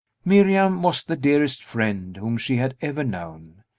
Miriam was the dearest friend whom she had ever known.